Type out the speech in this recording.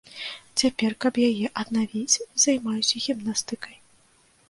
Цяпер, каб яе аднавіць, займаюся гімнастыкай.